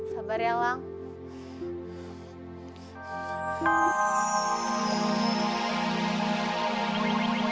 sabar ya lang